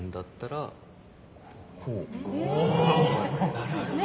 なるほどね。